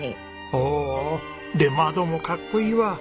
おおで窓もかっこいいわ。